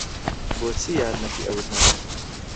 بۆچی یارمەتی ئەوت نەدا؟